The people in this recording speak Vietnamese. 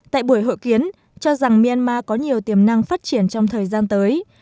tại buổi hội kiến cho rằng myanmar có nhiều tiềm năng phát triển trong thời gian tới